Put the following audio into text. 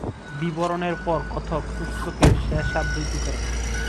বিবরণের পর কথক পুস্তকের শেষ আবৃত্তি করেন।